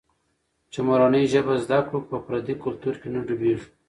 چي مورنۍ ژبه زده کړو، په پردي کلتور کې نه ډوبېږو.